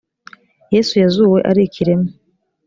yesu yazuwe ari ikiremwa